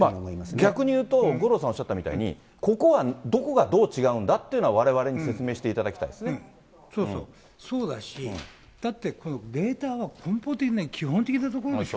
逆に言うと、五郎さんおっしゃったみたいに、ここはどこがどう違うんだというのは、われわれに説明していただそうそう、そうだし、だってこのデータは根本的な基本的なところでしょ。